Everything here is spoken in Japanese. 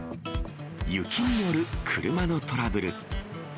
雪による車のトラブル。